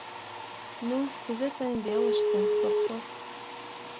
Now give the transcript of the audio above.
— Ну, кузе тыйын велыште, Скворцов?